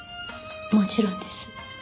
もちろんです。